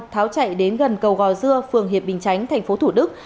tháo chạy đến gần cầu gò dưa phường hiệp bình chánh tp thủ đức